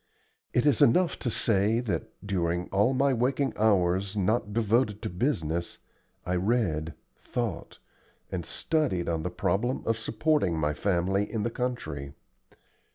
It is enough to say that, during all my waking hours not devoted to business, I read, thought, and studied on the problem of supporting my family in the country.